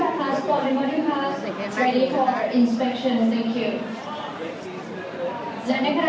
ขอบคุณสำหรับแฟนแฟนชาวไลท์ด้วย